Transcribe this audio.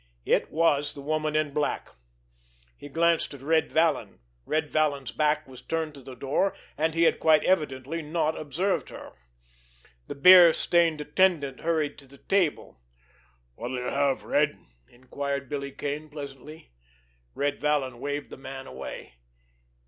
It was the Woman in Black. He glanced at Red Vallon. Red Vallon's back was turned to the door, and he had quite evidently not observed her. The beer stained attendant hurried to the table. "What'll you have, Red?" inquired Billy Kane pleasantly. Red Vallon waved the man away.